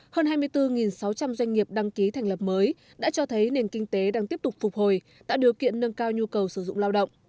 hơn hai mươi bốn sáu trăm linh doanh nghiệp đăng ký thành lập mới đã cho thấy nền kinh tế đang tiếp tục phục hồi tạo điều kiện nâng cao nhu cầu sử dụng lao động